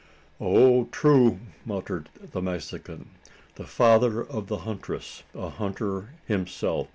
"Oh! true," muttered the Mexican "the father of the huntress a hunter himself?